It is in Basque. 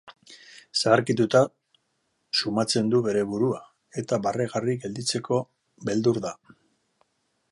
Zaharkituta sumatzen du bere burua, eta barregarri gelditzeko beldur da.